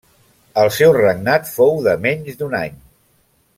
El seu regnat fou de menys d'un any.